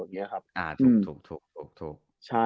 อ่าถูกถูกถูก